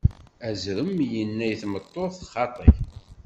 Azrem inna i tmeṭṭut: Xaṭi!